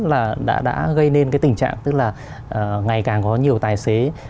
là đã gây nên cái tình trạng tức là ngày càng có nhiều tài xế